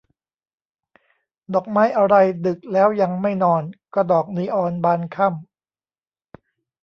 ดอกไม้อะไรดึกแล้วยังไม่นอน ก็ดอกนีออนบานค่ำ